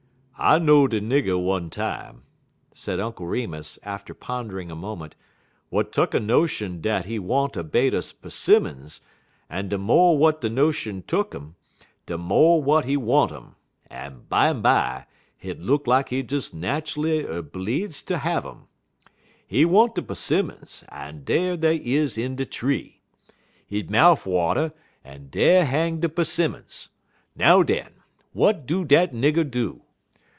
"I know'd a nigger one time," said Uncle Remus, after pondering a moment, "w'at tuck a notion dat he want a bait er 'simmons, en de mo' w'at de notion tuck 'im de mo' w'at he want um, en bimeby, hit look lak he des nat'ally erbleedz ter have um. He want de 'simmons, en dar dey is in de tree. He mouf water, en dar hang de 'simmons. Now, den, w'at do dat nigger do?